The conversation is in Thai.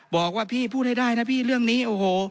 บอกว่าพี่พูดให้ได้นะพี่เรื่องนี้โอ้โห